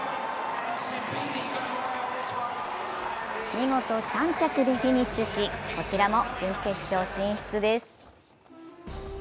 見事３着でフィニッシュし、こちらも準決勝進出です。